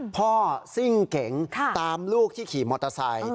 ซิ่งเก๋งตามลูกที่ขี่มอเตอร์ไซค์